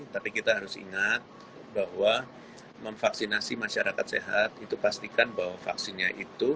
tapi kita harus ingat bahwa memvaksinasi masyarakat sehat itu pastikan bahwa vaksinnya itu